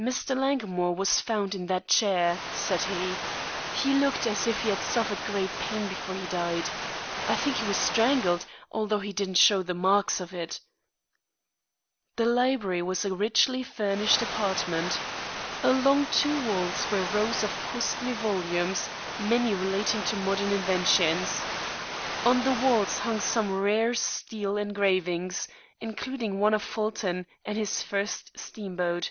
"Mr. Langmore was found in that chair," said he. "He looked as if he had suffered great pain before he died. I think he was strangled, although he didn't show the marks of it." The library was a richly furnished apartment. Along two walls were rows of costly volumes, many relating to modern inventions. On the walls hung some rare steel engravings, including one of Fulton and his first steamboat.